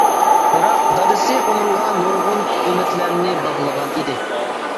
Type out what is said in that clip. بىراق دادىسى ئۇنىڭغا نۇرغۇن ئۈمىدلەرنى باغلىغان ئىدى.